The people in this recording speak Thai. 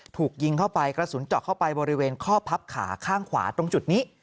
ถูกยิงเข้าไปกระสุนเจาะเข้าไปบริเวณข้อพับขาข้างขวาตรงจุดนี้